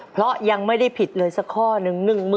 เพราะยังไม่ได้ผิดเลยสักข้อหนึ่ง